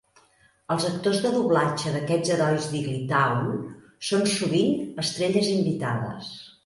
Els actors de doblatge d'aquests herois d'Higglytown són sovint estrelles invitades.